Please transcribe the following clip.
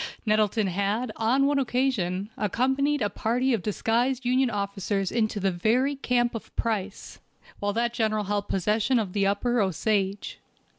Nettleton had, on one occasion, accompanied a party of disguised Union officers into the very camp of Price, while that General held possession of the upper Osage.